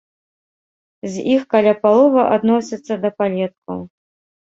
З іх каля паловы адносяцца да палеткаў.